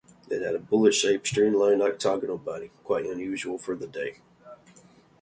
It had a bullet-shaped streamlined octagonal body, quite unusual for the day.